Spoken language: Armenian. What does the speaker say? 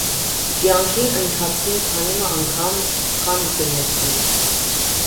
Կեանքին ընթացքին քանի մը անգամ բանտ կը նետուի։